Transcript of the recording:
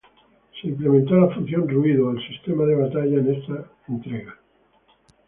Se implementó la función "Ruido" al sistema de batalla en esta entrega.